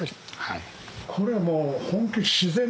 これはもう。